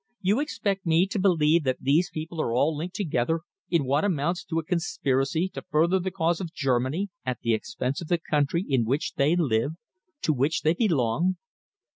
You expect me to believe that these people are all linked together in what amounts to a conspiracy to further the cause of Germany at the expense of the country in which they live, to which they belong?"